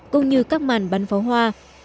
cũng như các màn bán pháo hoa